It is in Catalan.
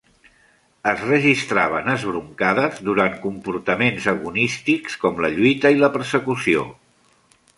Es registraven esbroncades durant comportaments agonístics com la lluita i la persecució.